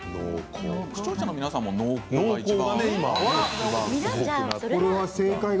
視聴者の皆さんも濃厚が。